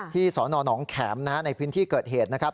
สนหนองแข็มในพื้นที่เกิดเหตุนะครับ